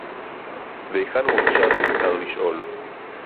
והיכן הוא עכשיו, אם מותר לשאול?